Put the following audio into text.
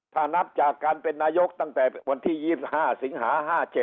ถ้านับจากการเป็นนายกตั้งแต่วันที่๒๕สิงหา๕๗